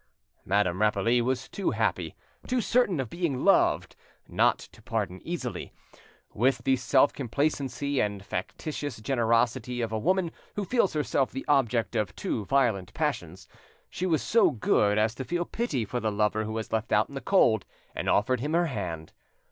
Madame Rapally was too happy, too certain of being loved, not to pardon easily. With the self complacency and factitious generosity of a woman who feels herself the object of two violent passions, she was so good as to feel pity for the lover who was left out in the cold, and offered him her hand.